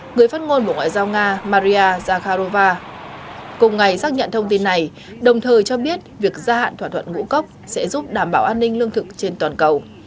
người phát ngôn bộ ngoại giao nga maria zakharova cùng ngày xác nhận thông tin này đồng thời cho biết việc gia hạn thỏa thuận ngũ cốc sẽ giúp đảm bảo an ninh lương thực trên toàn cầu